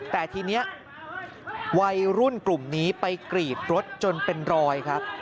แต่ทีนี้วัยรุ่นกลุ่มนี้ไปกรีดรถจนเป็นรอยครับ